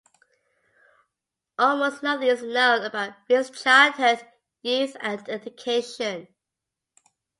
Almost nothing is known about Ries' childhood, youth and education.